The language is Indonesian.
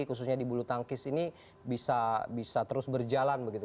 khususnya di bulu tangkis ini bisa terus berjalan begitu